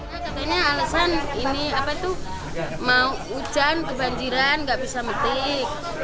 kata katanya alasan ini apa tuh mau hujan kebanjiran gak bisa metik